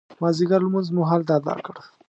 مازدیګر لمونځ مو هلته اداء کړ.